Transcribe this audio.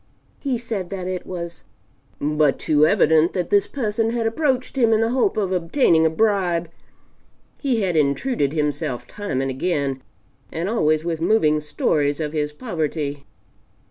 He said that it was but too evident that this person had approached him in the hope of obtaining a bribe; he had intruded himself time and again, and always with moving stories of his poverty.